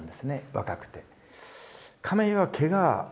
若くて。